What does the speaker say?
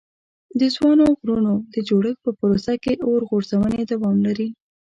د ځوانو غرونو د جوړښت په پروسه کې اور غورځونې دوام لري.